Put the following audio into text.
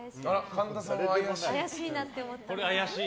神田さん、怪しい？